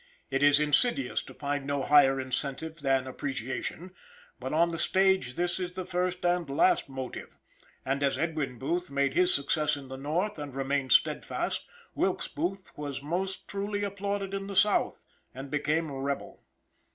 It is insidious to find no higher incentive than appreciation, but on the stage this is the first and last motive; and as Edwin Booth made his success in the North and remained steadfast, Wilkes Booth was most truly applauded in the South, and became rebel.